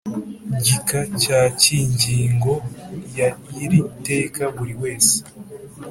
gika cya cy ingingo ya y iri teka buri wese